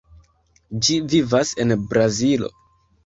Ĝi vivas en Brazilo.